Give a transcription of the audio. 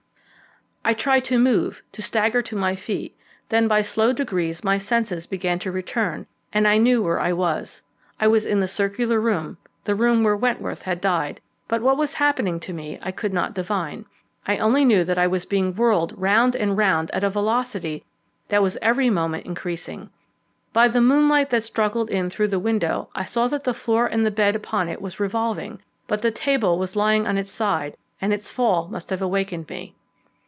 I tried to move, to stagger to my feet. Then by slow degrees my senses began to return, and I knew where I was. I was in the circular room, the room where Wentworth had died; but what was happening to me I could not divine. I only knew that I was being whirled round and round at a velocity that was every moment increasing. By the moonlight that struggled in through the window I saw that the floor and the bed upon it was revolving, but the table was lying on its side, and its fall must have awakened me.